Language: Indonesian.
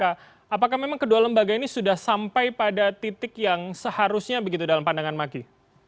apakah memang kedua lembaga ini sudah sampai pada titik yang seharusnya begitu dalam pandangan maki